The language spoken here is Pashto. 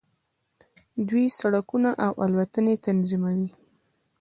دوی سړکونه او الوتنې تنظیموي.